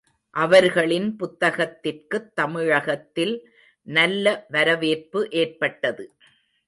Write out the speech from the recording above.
அவர்களின் புத்தகத்திற்குத் தமிழகத்தில் நல்ல வரவேற்பு ஏற்பட்டது.